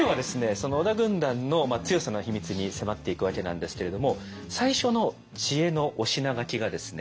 その織田軍団の強さの秘密に迫っていくわけなんですけれども最初の知恵のお品書きがですね